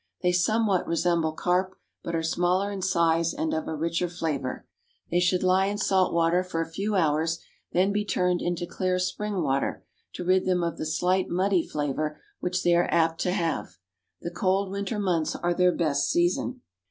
They somewhat resemble carp, but are smaller in size and of a richer flavour. They should lie in salt water for a few hours, then be turned into clear spring water, to rid them of the slight muddy flavour which they are apt to have. The cold winter months are their best season.